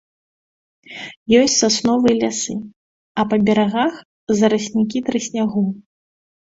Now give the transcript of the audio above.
Ёсць сасновыя лясы, а па берагах зараснікі трыснягу.